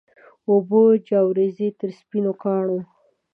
اوبه جاروزي تر سپینو کاڼو